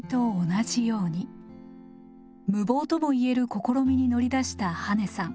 無謀とも言える試みに乗り出した羽根さん。